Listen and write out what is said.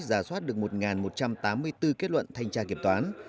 giả soát được một một trăm tám mươi bốn kết luận thanh tra kiểm toán